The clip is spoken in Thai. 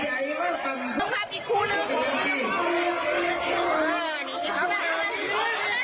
นักเล่นนงบ้าครับนักเล่น